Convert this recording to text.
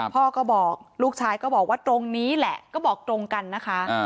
พ่อก็บอกลูกชายก็บอกว่าตรงนี้แหละก็บอกตรงกันนะคะ